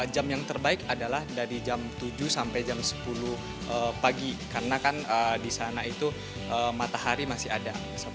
jam yang terbaik adalah dari jam tujuh sampai jam sepuluh pagi karena kan di sana itu matahari masih ada